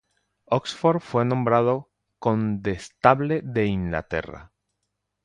Oxford fue nombrado Condestable de Inglaterra.